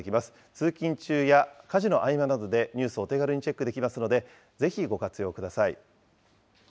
通勤中や家事の合間などでニュースをお手軽にチェックできますのでぜひご活用ください。